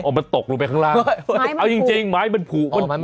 มันปลกลงมาอยู่ผงล่าง